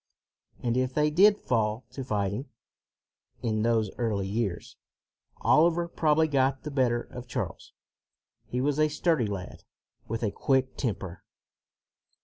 And if they did fall to fighting, in those early years, Oliver probably got the better of Charles. He was a sturdy lad, with a quick temper.